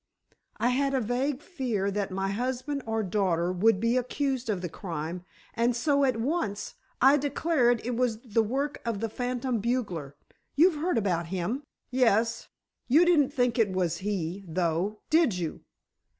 "I had a vague fear that my husband or daughter would be accused of the crime, and so, at once, I declared it was the work of the phantom bugler. You've heard about him?" "Yes. You didn't think it was he, though, did you?"